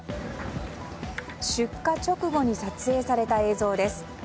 出火直後に撮影された映像です。